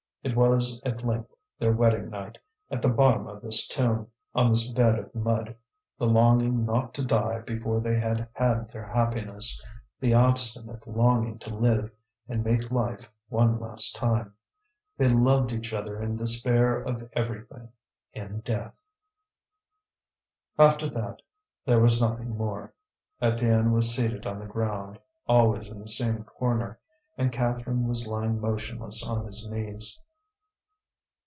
It was at length their wedding night, at the bottom of this tomb, on this bed of mud, the longing not to die before they had had their happiness, the obstinate longing to live and make life one last time. They loved each other in despair of everything, in death. After that there was nothing more. Étienne was seated on the ground, always in the same corner, and Catherine was lying motionless on his knees.